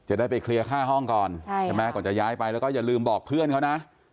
จะได้ไปเคลียร์ค่าห้องก่อนใช่ไหมก่อนจะย้ายไปแล้วก็อย่าลืมบอกเพื่อนเขานะ